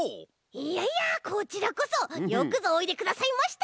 いやいやこちらこそよくぞおいでくださいました！